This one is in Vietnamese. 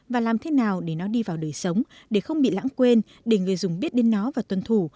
và làm thế nào để nó đi vào đời sống để không bị lãng quên để người dùng biết đến nó và tuân thủ